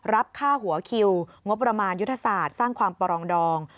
รับค่าหัวคิวงบประมาณยุทธศาสตร์สร้างความปรองดอง